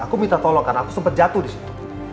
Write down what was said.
aku minta tolong karena aku sempat jatuh di situ